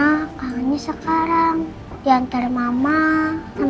ah kan mau sekolah